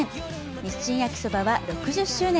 「日清焼そば」は６０周年！